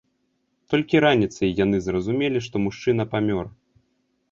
Толькі раніцай яны зразумелі, што мужчына памёр.